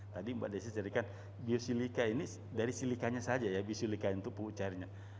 tadi mbak desi ceritakan biosilika ini dari silikanya saja ya biosilika itu pupuk cairnya